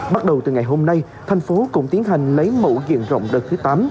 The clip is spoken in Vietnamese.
bắt đầu từ ngày hôm nay thành phố cũng tiến hành lấy mẫu diện rộng đợt thứ tám